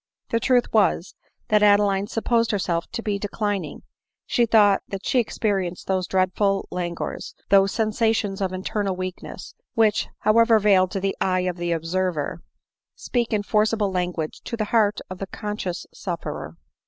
The truth was, that Adeline supposed herself to be declining ; she thought that she experienced those dreadful languors, those sensations of internal weakness,! which, however veiled to the eye of the observer, speak in forcible lan guage to the heart of the conscious sufferer.